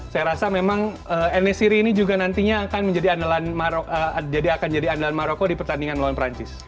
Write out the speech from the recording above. saya rasa memang enesiri ini juga nantinya akan menjadi andalan maroko di pertandingan melawan perancis